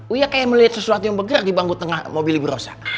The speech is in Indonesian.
uya kayak melihat sesuatu yang bergerak di bangun tengah mobil ibu rosa